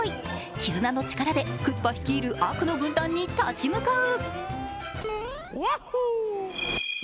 絆の力でクッパ率いる悪の軍団に立ち向かう。